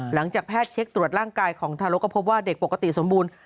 หลังจากแพทย์เช็คตรวจร่างกายของทารกก็พบว่าเด็กปกติสมบูรณ์